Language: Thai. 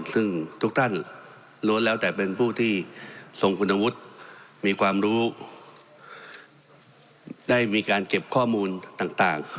ซึ่งทุกท่านล้วนแล้วแต่เป็นผู้ที่ทรงคุณวุฒิมีความรู้ได้มีการเก็บข้อมูลต่าง